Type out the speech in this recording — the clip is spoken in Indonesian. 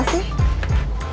saya tinggal berusaha ya